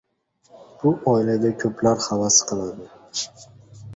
Bu oilaga koʻplar havas qiladi.